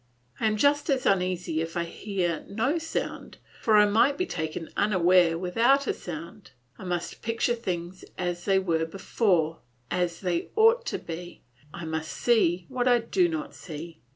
I am just as uneasy if I hear no sound, for I might be taken unawares without a sound. I must picture things as they were before, as they ought to be; I must see what I do not see.